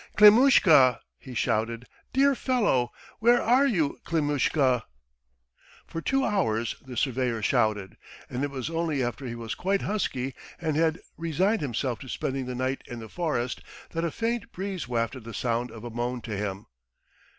"Klimushka," he shouted. "Dear fellow! Where are you, Klimushka?" For two hours the surveyor shouted, and it was only after he was quite husky and had resigned himself to spending the night in the forest that a faint breeze wafted the sound of a moan to him.